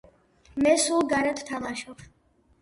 მე სულ გარეთ ვთამშობ